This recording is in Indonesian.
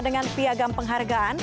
dengan piagam penghargaan